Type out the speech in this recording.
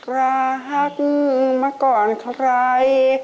รักมาก่อนใคร